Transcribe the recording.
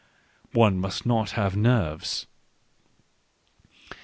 . One must not have nerves.